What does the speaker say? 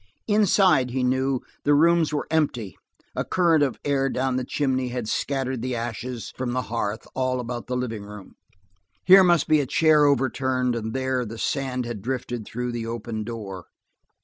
Inside, he knew, the rooms were empty; a current of air down the chimney had scattered the ashes from the hearth all about the living room. Here must be a chair overturned, and there the sand had drifted through the open door.